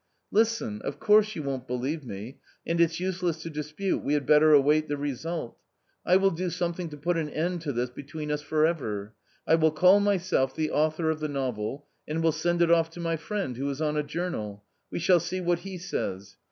" Listen ; of course you won't believe me, and it's useless to dispute, we had better await the result. I will do some thing to put an end to this between us for ever. I will call myself the author of the novel, and will send it off to my friend, who is on a journal : we shall see what he says.